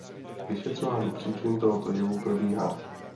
Vyšetřování příčin tohoto jevu probíhá.